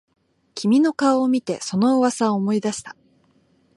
君の顔を見てその噂を思い出した